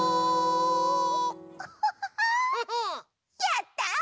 やった！